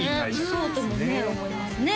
そうともね思いますね